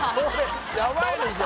やばいでしょ